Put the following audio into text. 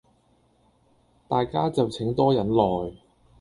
大家就請多忍耐